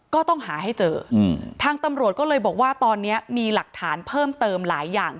ก็ต้องหาให้เจอทางตำรวจก็เลยบอกว่าตอนนี้มีหลักฐานเพิ่มเติมหลายอย่าง